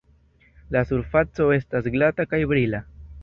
La surfaco estas glata kaj brila.